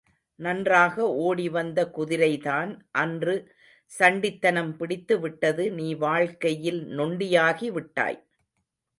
நன்றாக ஓடி வந்த குதிரைதான் அன்று சண்டித்தனம் பிடித்துவிட்டது நீ வாழ்க்கையில் நொண்டியாகிவிட்டாய்.